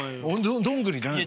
どんぐりじゃないの？